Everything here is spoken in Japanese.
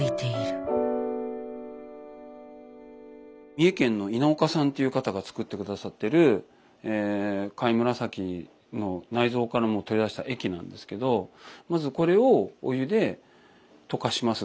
三重県の稲岡さんっていう方が作って下さってる貝紫の内臓から取り出した液なんですけどまずこれをお湯で溶かします。